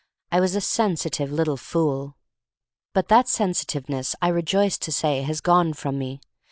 I was a sensitive little fool. But that sensitiveness, I rejoice to say, has gone from me.